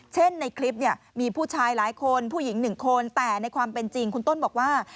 เช่นในคลิปมีผู้ชายหลายคนผู้หญิงหนึ่งคนแต่ในความเป็นจริงคุณต้นบอกว่า